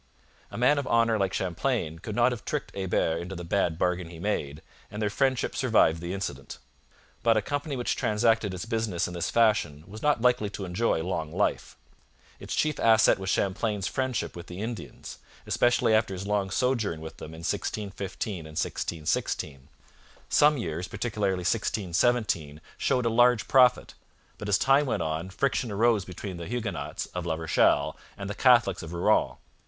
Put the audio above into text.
A man of honour like Champlain could not have tricked Hebert into the bad bargain he made, and their friendship survived the incident. But a company which transacted its business in this fashion was not likely to enjoy long life. Its chief asset was Champlain's friendship with the Indians, especially after his long sojourn with them in 1615 and 1616. Some years, particularly 1617, showed a large profit, but as time went on friction arose between the Huguenots of La Rochelle and the Catholics of Rouen.